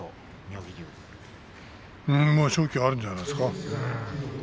勝機はあるんじゃないですか。